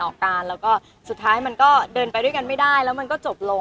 ออกการแล้วก็สุดท้ายมันก็เดินไปด้วยกันไม่ได้แล้วมันก็จบลง